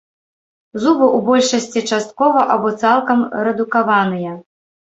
Зубы ў большасці часткова або цалкам рэдукаваныя.